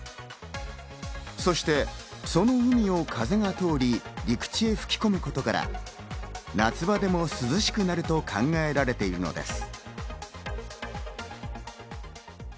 そして、その海を風が通り、陸地へ吹き込むことから、夏場でも涼しくなると考えられているのです。